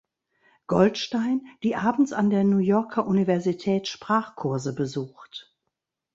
Goldstein", die abends an der New Yorker Universität Sprachkurse besucht.